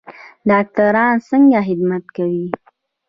ډاکټران څنګه خدمت کوي؟